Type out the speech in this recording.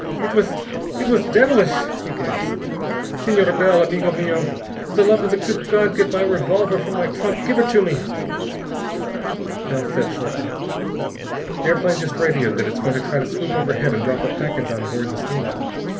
_ It was it was devilish!" he gasped. "Senor Bell, amigo mio, for the love of the good God get my revolver from my trunk. Give it to me...." Bell said shortly: "The airplane just radioed that it's going to try to swoop overhead and drop a package on board the steamer.